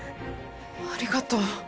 ありがとう。